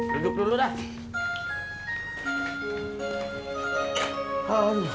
duduk dulu dah